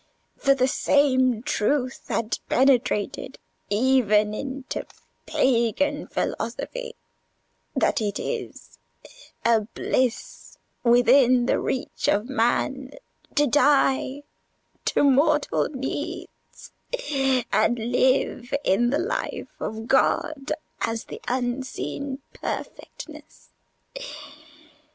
For the same truth had penetrated even into pagan philosophy: that it is a bliss within the reach of man to die to mortal needs, and live in the life of God as the Unseen Perfectness.